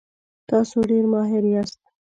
تاسو ډیر ماهر یاست.